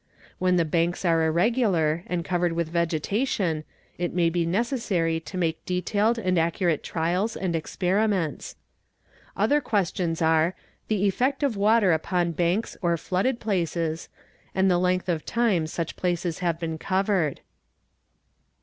When the banks are irregular and covered with vege tation it may be necessary to make detailed and accurate trials and experiments. Other questions are, the effect of water upon banks or flooded places, and the length of time such places have been covered.